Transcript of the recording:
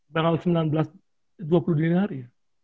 sampai tanggal sembilan belas dua puluh di hari ya